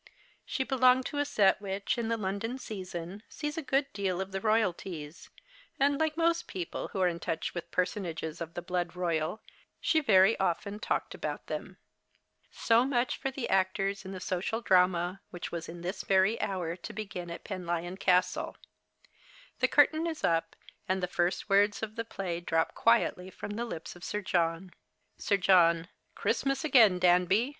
She belonged to a set which, in the London season, sees a good deal of the Royalties, and, like most peojjle wiio The Cheistmas Hirelings. 23 are in toueli A\itli personages of the blood royal, she very often talked about them. So much for the actors in the social drama, Avhich was in this very hour to begin at Penlyon Castle. The curtain is up, and the first words of the ptay drop quietly from the lips of Sir John. SiE John. Christmas again, Danby